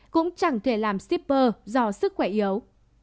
cũng chẳng thể làm shipper do sức khỏe yếu